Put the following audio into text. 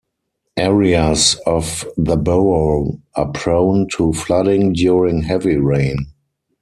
Areas of the borough are prone to flooding during heavy rain.